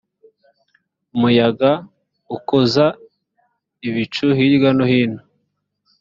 umuyaga ukoza ibicu hirya no hino